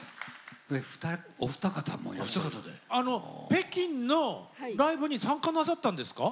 北京のライブに参加なさったんですか？